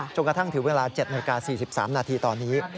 จนกระทั่งถือเวลา๗นาที๔๓นาทีตอนนี้